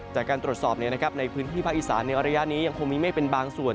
จากการตรวจสอบในพื้นที่ภาคอีสานในระยะนี้ยังคงมีเมฆเป็นบางส่วน